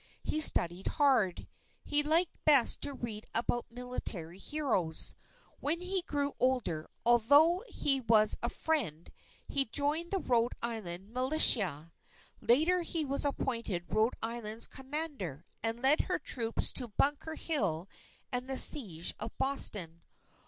He studied hard. He liked best to read about military heroes. When he grew older, although he was a Friend, he joined the Rhode Island militia. Later he was appointed Rhode Island's Commander, and led her troops to Bunker Hill and the Siege of Boston.